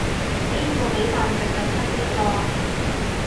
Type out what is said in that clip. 邊個畀飯食就親邊個